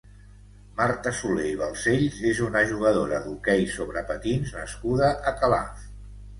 Marta Soler i Balcells és una jugadora d’hoquei sobre patins nascuda a Calaf.